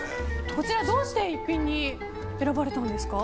こちらどうして逸品に選ばれたんですか？